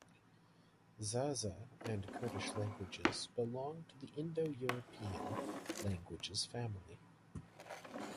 Zaza and Kurdish languages belong to the Indo-European languages family.